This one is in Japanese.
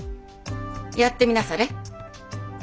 やってみなされ。